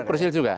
itu krusial juga